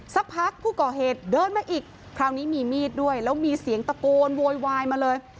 สักพักผู้ก่อเหตุเดินมาอีกคราวนี้มีมีดด้วยแล้วมีเสียงตะโกนโวยวายมาเลย